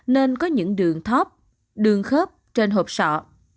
nên có những đường thóp đường khớp trên hộp sọ